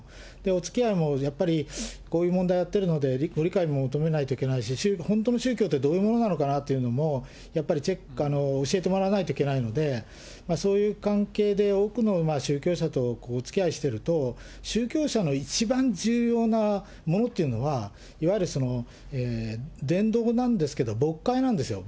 おつきあいもやっぱり、こういう問題やってるので、ご理解求めないといけないし、本当の宗教ってどういうものなのかというのも、やっぱり教えてもらわないといけないので、そういう関係で多くの宗教者とおつきあいしていると、宗教者の一番重要なものというのは、いわゆる、伝道なんですけど、牧会なんですよ。